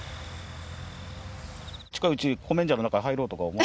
近いうちコメンジャーの中に入ろうとか思わない？